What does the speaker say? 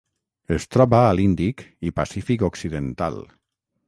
Es troba a l'Índic i Pacífic occidental.